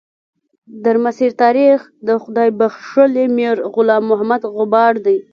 درمسیر تاریخ د خدای بخښلي میر غلام محمد غبار دی.